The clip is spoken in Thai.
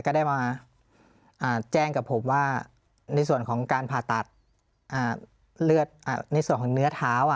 ก็ได้มาแจ้งกับผมว่าในส่วนของการผ่าตัดเลือดในส่วนของเนื้อเท้า